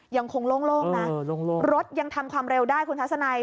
ยังคงโล่งนะรถยังทำความเร็วได้คุณทัศนัย